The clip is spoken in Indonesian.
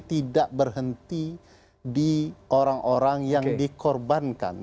tidak berhenti di orang orang yang dikorbankan